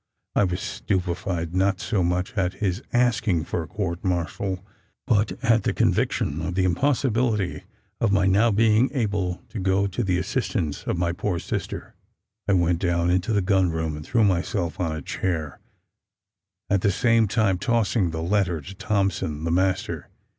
I was stupefied, not so much at his asking for a court martial, but at the conviction of the impossibility of my now being able to go to the assistance of my poor sister. I went down into the gun room and threw myself on a chair, at the same time tossing the letter to Thompson, the master.